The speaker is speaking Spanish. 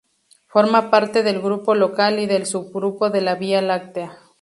Forma parte del Grupo Local y del subgrupo de la Vía Láctea.